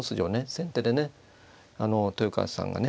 先手でね豊川さんがね